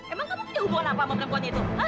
emang kamu punya hubungan apa sama perempuan itu